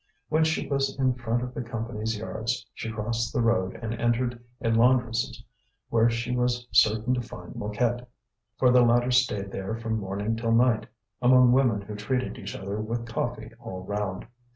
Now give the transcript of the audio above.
When she was in front of the Company's Yards she crossed the road and entered a laundress's where she was certain to find Mouquette; for the latter stayed there from morning till night, among women who treated each other with coffee all round.